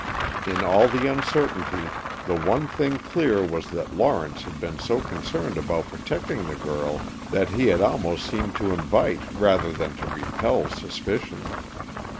In all the uncertainty, the one thing clear was that Lawrence had been so concerned about protecting the girl that he had almost seemed to invite rather than to repel suspicion.